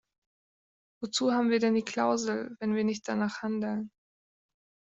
Wozu haben wir denn die Klausel, wenn wir nicht danach handeln?